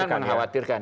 ini kan mengkhawatirkan